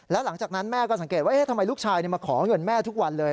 แล้วหลังจากนั้นแม่ก็สังเกตว่าทำไมลูกชายมาขอเงินแม่ทุกวันเลย